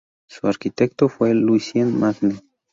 Su arquitecto fue Lucien Magne.